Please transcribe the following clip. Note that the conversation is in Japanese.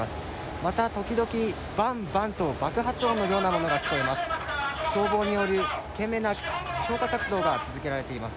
また、時々、バンバンと爆発音のような音がしています。